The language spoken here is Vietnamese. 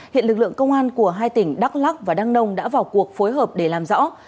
hiện lực lượng công an của hai tỉnh đắk lắc và đăng nông đã vào cuộc phối hợp để làm rõ